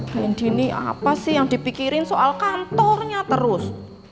mending ini apa sih yang dipikirin soal kantornya terus